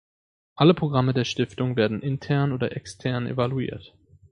Alle Programme der Stiftung werden intern oder extern evaluiert.